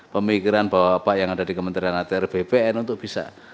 pemikiran bapak yang ada di kementerian atr bpn untuk bisa